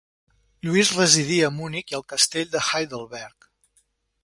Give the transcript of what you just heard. Lluís residia a Munic i al castell de Heidelberg.